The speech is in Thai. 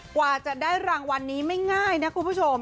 กว่าจะได้รางวัลนี้ไม่ง่ายนะคุณผู้ชม